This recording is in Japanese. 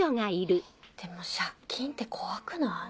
でも借金って怖くない？